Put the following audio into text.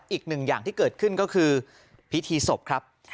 อีกหนึ่งอย่างที่เกิดขึ้นก็คือพิธีศพครับ